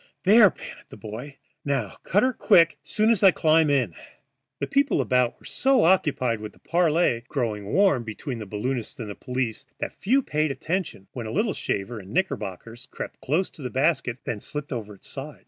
"There," panted the boy. "Now, cut her quick, soon as I climb in." The people about were so occupied with the parley growing warm between balloonist and police that few paid attention when a little shaver in knickerbockers crept close to the basket and then slipped over its side.